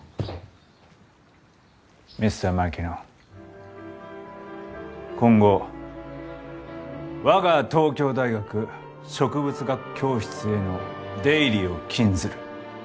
Ｍｒ．Ｍａｋｉｎｏ．今後我が東京大学植物学教室への出入りを禁ずる。